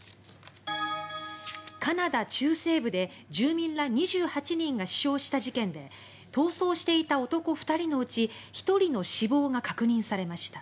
カナダ中西部で住民ら２８人が死傷した事件で逃走していた男２人のうち１人の死亡が確認されました。